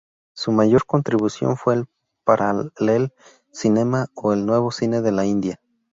Su mayor contribución fue en Parallel Cinema o el Nuevo Cine de la India.